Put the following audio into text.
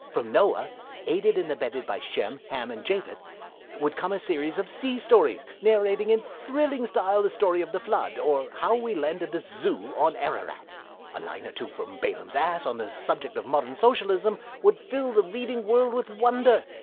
From Noah, aided and abetted by Shem, Ham, and Japhet, would come a series of sea stories narrating in thrilling style the story of The Flood, or How We Landed the Zoo on Ararat. A line or two from Balaam's Ass on the subject of modern Socialism would fill the reading world with wonder.